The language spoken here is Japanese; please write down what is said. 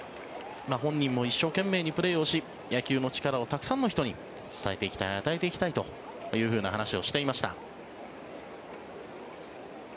本人も一生懸命にプレーをし野球の力をたくさんの人に伝えていきたい与えていきたいという話をしていました。